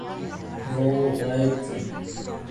وہ غائب تھی۔